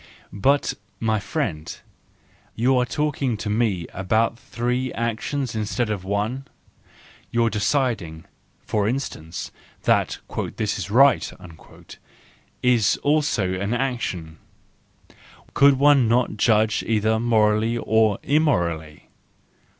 But, my friend, you are talking to me about three actions instead of one: your deciding, for instance, that "this is right," is also an action,—could one not 260 THE JOYFUL WISDOM, IV judge either morally or immorally